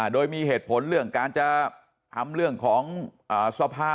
โดยมีเหตุผลเรื่องการจะทำเรื่องของสภา